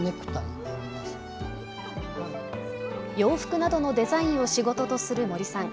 洋服などのデザインを仕事とする森さん。